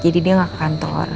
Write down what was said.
jadi dia gak ke kantor